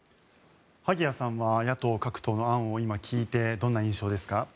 萩谷さんは野党各党の案を今聞いてどんな印象ですか？